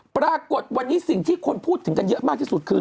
ปรากฏวันนี้สิ่งที่คนพูดถึงกันเยอะมากที่สุดคือ